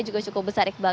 juga cukup besar iqbal